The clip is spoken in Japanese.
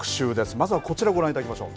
まずはこちらをご覧いただきましょう。